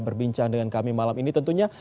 berbincang dengan kami malam ini tentunya